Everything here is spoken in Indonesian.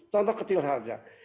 contoh kecil saja